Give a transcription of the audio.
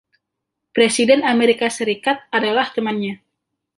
Presiden Amerika Serikat adalah temannya.